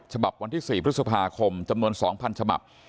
ฉบับวันที่๔พฤษภาคมจำนวน๒๐๐ฉบับ